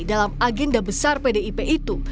dalam agenda besar pdip itu